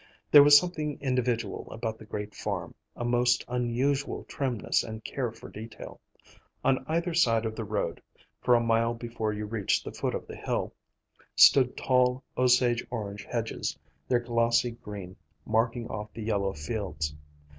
There was something individual about the great farm, a most unusual trimness and care for detail. On either side of the road, for a mile before you reached the foot of the hill, stood tall osage orange hedges, their glossy green marking off the yellow fields.